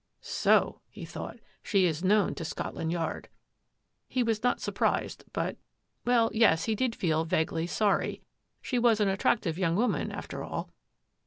" So," he thought, " she is known to Scotland Yard." He was not surprised, but — well, yes, he did feel vaguely sorry. She was an attractive young woman, after all.